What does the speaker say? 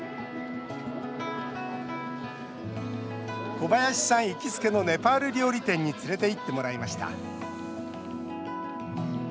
小林さん行きつけのネパール料理店に連れていってもらいました。